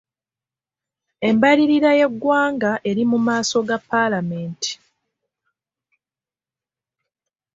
Embalirira y'eggwanga eri mu maaso ga Palamenti,